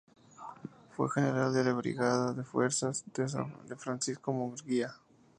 Fue general de brigada de las fuerzas de Francisco Murguía.